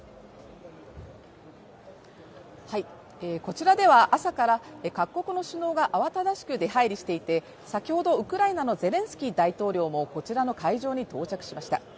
こちらでは朝から、各国の首脳が慌ただしく出はいりしていて、先ほどウクライナのゼレンスキー大統領もこちらの会場に到着しました。